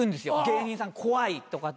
芸人さん怖いとか。